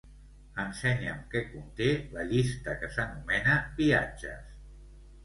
Ensenya'm què conté la llista que s'anomena "viatges".